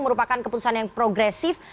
merupakan keputusan yang progresif